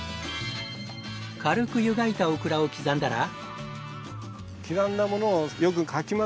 軽く湯がいたオクラを刻んだら。